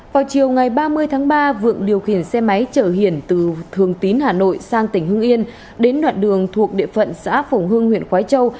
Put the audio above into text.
vào chiều ngày ba mươi tháng ba vượng điều khiển xe máy chở hiển từ thường tín hà nội sang tỉnh hưng yên đến đoạn đường thuộc địa phận xã phổng hương huyện khói châu